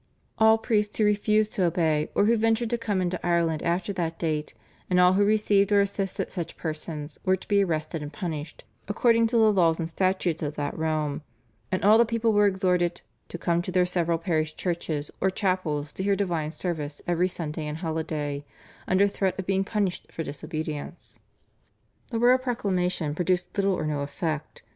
All priests who refused to obey or who ventured to come into Ireland after that date, and all who received or assisted such persons were to be arrested and punished according to the laws and statutes of that realm, and all the people were exhorted "to come to their several parish churches or chapels, to hear divine service every Sunday and holiday" under threat of being punished for disobedience. The royal proclamation produced little or no effect.